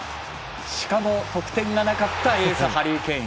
しかも得点がなかったエース、ハリー・ケイン。